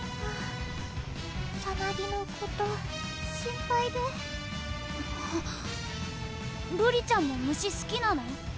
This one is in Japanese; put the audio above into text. さなぎのこと心配でルリちゃんも虫すきなの？